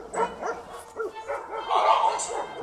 په کومو حالاتو کي ميرمن له حق څخه تيريږي؟